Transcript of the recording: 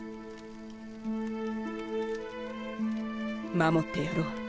守ってやろう。